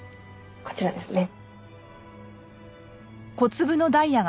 こちらですね。